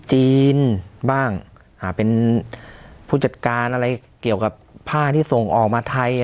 จีนบ้างเป็นผู้จัดการอะไรเกี่ยวกับผ้าที่ส่งออกมาไทย